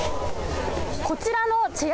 こちらのチェア